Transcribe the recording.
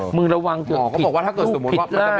มึงระวังเกือบผิดลูกผิดแล้วเขาบอกว่าถ้าเกิดสมมติว่า